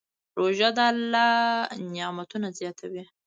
روژه د الله نعمتونه زیاتوي.